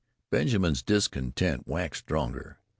Benjamin's discontent waxed stronger.